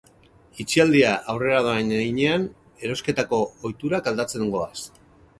Itxialdia aurrera doan heinean erosketako ohiturak aldatzen goaz.